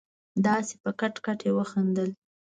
داسې په کټ کټ يې وخندل.